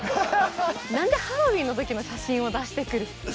なんでハロウィーンの時の写真を出してくる？